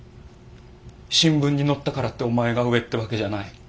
新聞に載ったからってお前が上ってわけじゃない。